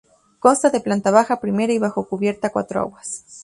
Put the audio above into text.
Consta de planta baja, primera y bajo cubierta a cuatro aguas.